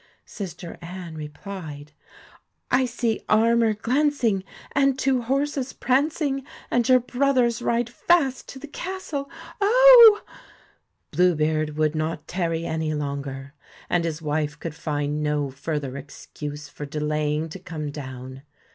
Sister Anne replied :' I see armour glancing, and two horses prancing, and your brothers ride fast to the castle, oh !' Blue beard would not tarry any longer, and his 166 wife could find no further excuse for delaying to BLUE come down.